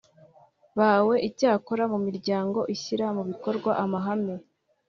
bawe icyakora mu miryango ishyira mu bikorwa amahame